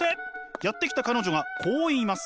やって来た彼女がこう言います。